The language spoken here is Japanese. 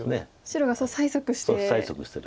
白がそう催促して。